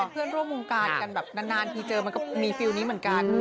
เพื่อนร่วมวงการกันแบบนานทีเจอมันก็มีฟิลลนี้เหมือนกัน